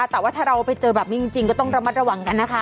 แต่ว่าถ้าเราไปเจอแบบนี้จริงก็ต้องระมัดระวังกันนะคะ